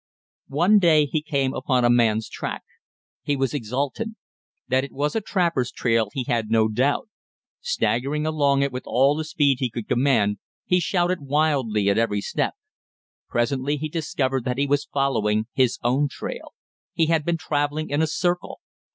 One day he came upon a man's track. He was exultant. That it was a trapper's trail he had no doubt. Staggering along it with all the speed he could command, he shouted wildly at every step. Presently he discovered that he was following his own trail; he had been travelling in a circle.